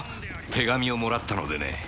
手紙をもらったのでね